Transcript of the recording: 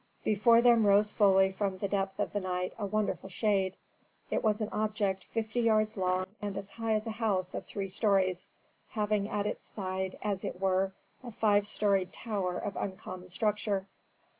Before them rose slowly from the depth of the night a wonderful shade. It was an object fifty yards long and as high as a house of three stories, having at its side, as it were, a five storied tower of uncommon structure.